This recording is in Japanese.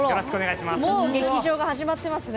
もう劇場が始まってますね。